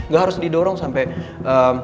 gak harus didorong sampe